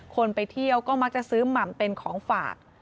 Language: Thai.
คนไปเที่ยวก็มักจะซื้อหม่ำเป็นของฝาก